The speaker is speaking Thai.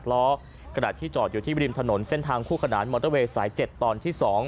ล้อกระดาษที่จอดอยู่ที่ริมถนนเส้นทางคู่ขนานมอเตอร์เวย์สาย๗ตอนที่๒